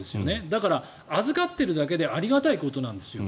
だから、預かっているだけでありがたいことなんですよ。